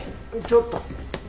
ちょっと。